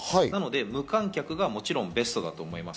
無観客がもちろんベストだと思います。